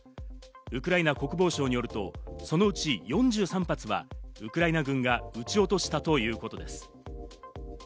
ウクライナ国防省によると、そのうち４３発はウクライナ軍が撃ち落としたということです。